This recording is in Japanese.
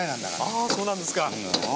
ああそうなんですか。